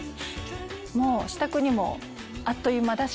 もう支度にもあっという間だし